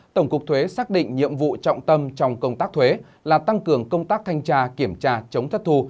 tổng cục thuế xác định nhiệm vụ trọng tâm trong công tác thuế là tăng cường công tác thanh tra kiểm tra chống thất thu